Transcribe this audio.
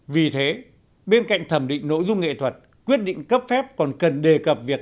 vì thế bên cạnh thẩm định nội dung nghệ thuật quyết định cấp phép còn cần đề cập việc